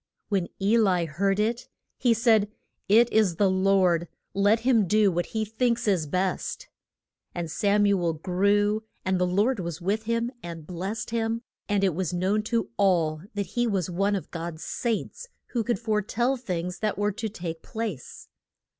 When E li heard it, he said, It is the Lord, let him do what he thinks is best. And Sam u el grew, and the Lord was with him and blest him, and it was known to all that he was one of God's saints, who could fore tell things that were to take place.